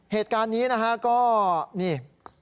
เหตุการณ์นี้นะฮะก็นี่